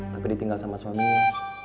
tapi ditinggal sama suaminya